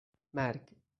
مرگ